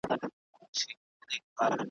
د صابرانو سره خدای ج ملګری وي ,